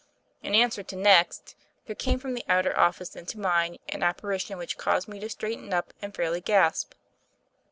In answer to "Next," there came from the outer office into mine an apparition which caused me to straighten up and fairly gasp.